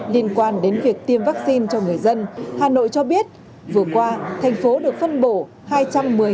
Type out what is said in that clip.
liên quan đến việc tiêm vaccine cho người dân hà nội cho biết vừa qua thành phố được phân bổ hai trăm một mươi tám trăm sáu mươi tám liều